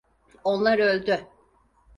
Onlar öldü.